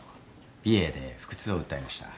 美瑛で腹痛を訴えました。